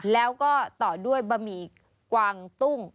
แล้วก็ต่อด้วยบะหมี่กวางตุ้ง